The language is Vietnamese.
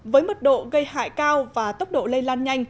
với mật độ gây hại cao và tốc độ lây lan nhanh